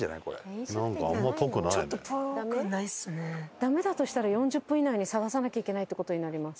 ダメだとしたら４０分以内に探さなきゃいけないって事になります。